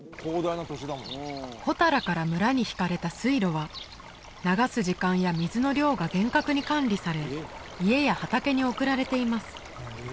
ホタラから村に引かれた水路は流す時間や水の量が厳格に管理され家や畑に送られています